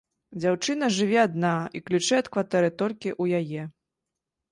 Дзяўчына жыве адна і ключы ад кватэры толькі ў яе.